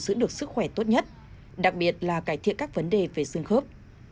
giữ được sức khỏe tốt nhất đặc biệt là cải thiện các vấn đề về xương khớp